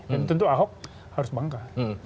dan tentu ahok harus bangka